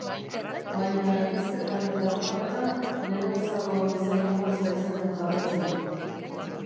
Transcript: baina hizketan eta harremanetan nerabezaroan bezain motza izaten jarraitzen du.